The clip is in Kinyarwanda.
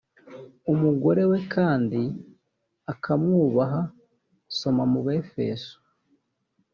umugore we kandi akamwubaha soma mu befeso